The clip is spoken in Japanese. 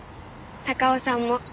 高尾さんも。